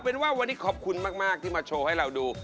เป็นว่าวันนี้ขอบคุณมากที่มาโชว์ให้เราดู